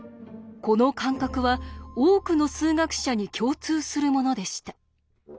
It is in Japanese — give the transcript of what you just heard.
この感覚は多くの数学者に共通するものでした。